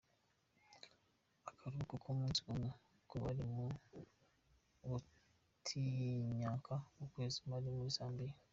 Akaruhuko k'umusi umwe kubari mu butinyanka kakweze impari muri Zambia.